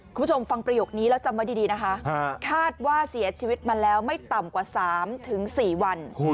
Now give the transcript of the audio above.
คุณผู้ชมฟังประโยคนี้แล้วจำไว้ดีนะคะคาดว่าเสียชีวิตมาแล้วไม่ต่ำกว่า๓๔วัน